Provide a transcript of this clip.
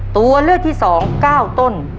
ตัวเลือกที่๒๙ต้น